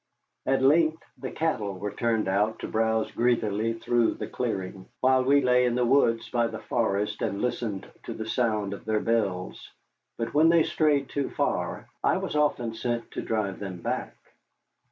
At length the cattle were turned out to browse greedily through the clearing, while we lay in the woods by the forest and listened to the sound of their bells, but when they strayed too far, I was often sent to drive them back.